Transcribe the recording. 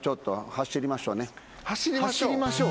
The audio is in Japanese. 走りましょう？